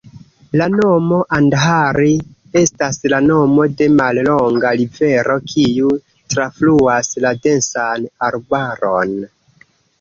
La nomo "Andhari" estas la nomo de mallonga rivero kiu trafluas la densan arbaron.